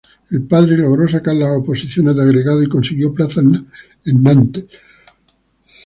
El padre logró sacar las oposiciones de agregado y consiguió plaza en Nantes.